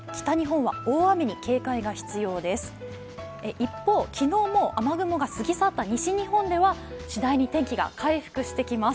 一方、昨日もう雨雲が過ぎ去った西日本では次第に天気が回復していきます。